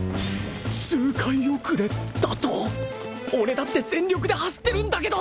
周回遅れだと俺だって全力で走ってるんだけど！